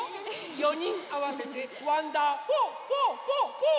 ４にんあわせてわんだーフォーフォーフォーフォー」